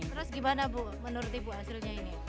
terus gimana bu menuruti bu hasilnya ini